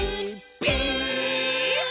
ピース！」